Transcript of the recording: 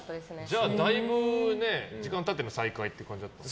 じゃあ、だいぶ時間が経っての再開って感じだったの？